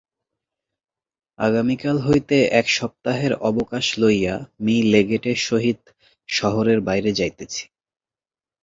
আগামীকাল হইতে এক সপ্তাহের অবকাশ লইয়া মি লেগেটের সহিত শহরের বাহিরে যাইতেছি।